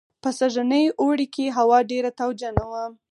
په سږني اوړي کې هوا ډېره تاوجنه وه